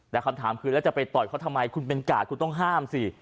แต่คำถามคือแล้วจะไปต่อยเขาทำไมคุณเป็นกาดคุณต้องห้ามสิ